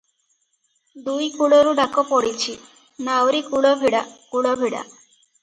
ଦୁଇ କୂଳରୁ ଡାକ ପଡିଛି, "ନାଉରୀ କୂଳ ଭିଡ଼ା, କୂଳ ଭିଡ଼ା ।"